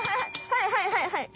はいはいはいはい！